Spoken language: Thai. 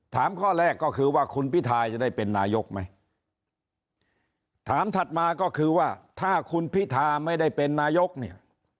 ข้อแรกก็คือว่าคุณพิทาจะได้เป็นนายกไหมถามถัดมาก็คือว่าถ้าคุณพิธาไม่ได้เป็นนายกเนี่ย